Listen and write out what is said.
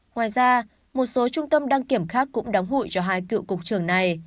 ngoài ra một số trung tâm đăng kiểm khác cũng đóng hụi cho hai cựu cục trưởng này